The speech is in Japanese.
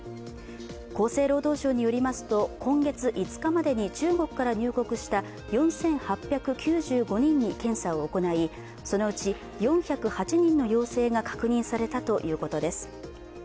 厚生労働省によりますと今月５日までに中国から入国した４８９５人に検査を行いそのうち４０８人の陽性が確認されたということです。